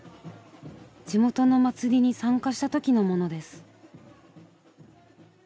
地元の祭りに参加した時のものです。